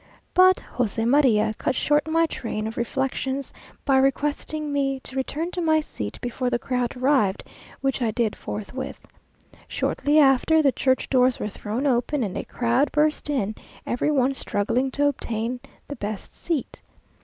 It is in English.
But José María cut short my train of reflections, by requesting me to return to my seat before the crowd arrived, which I did forthwith. Shortly after, the church doors were thrown open, and a crowd burst in, every one struggling to obtain the best seat.